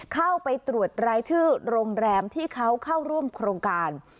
เข้าไปตรวจรายชื่อโรงแรมที่เขาเข้าร่วมโครงการ